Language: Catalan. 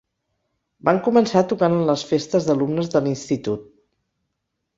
Van començar tocant en les festes d'alumnes de l'institut.